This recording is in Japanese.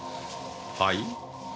はい？